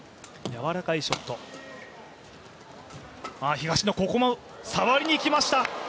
東野、ここも触りにいきました。